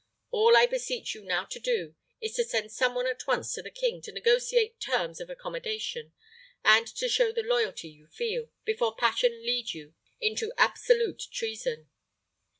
All I beseech you now to do, is to send some one at once to the king to negotiate terms of accommodation, and to show the loyalty you feel, before passion lead you into absolute treason."